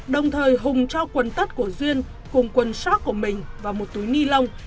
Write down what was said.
đồng thời hùng cho quần tắt của duyên cùng quần shock của mình và một túi ni lông